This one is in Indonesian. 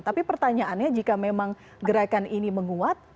tapi pertanyaannya jika memang gerakan ini menguat